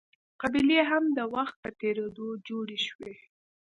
قبیلې هم د وخت په تېرېدو جوړې شوې.